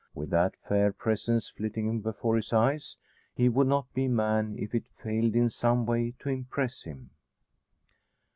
With that fair presence flitting before his eyes, he would not be man if it failed in some way to impress him.